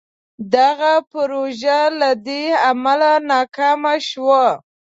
دغه پروژه له دې امله ناکامه شوه.